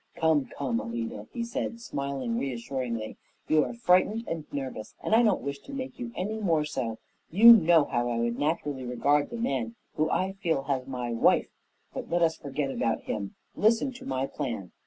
"Come, come, Alida!" he said, smiling reassuringly. "You are frightened and nervous, and I don't wish to make you any more so. You know how I would naturally regard the man who I feel has my wife; but let us forget about him. Listen to my plan.